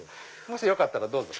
もしよかったらどうぞ。